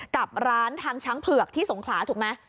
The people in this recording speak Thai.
กับร้านทางช้างเผือกที่สงขลาถูกไหม